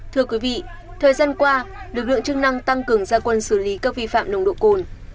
thưa quý vị thời gian qua lực lượng chức năng tăng cường gia quân xử lý các vi phạm nồng độ cồn